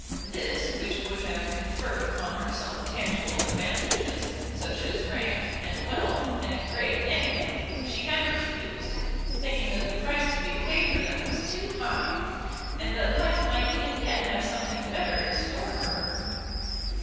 This, which would have conferred upon her some tangible advantages, such as rank, and wealth, and a great name, she had refused, thinking that the price to be paid for them was too high, and that life might even yet have something better in store for her.